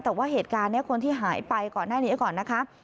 แต่ว่าเหตุการณ์คนที่หายไปก่อนหน้านี้ได้อย่างไรครับ